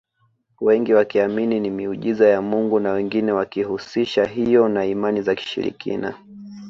Wengi wakiamini ni miujiza ya mungu na wengine wakiihusisha hiyo na imani za kishirikina